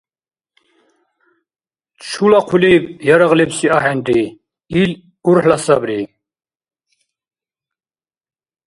Чула хъулиб ярагъ лебси ахӀенри. Ил урхӀла сабри.